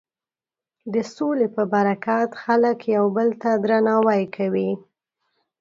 د سولې په برکت خلک یو بل ته درناوی کوي.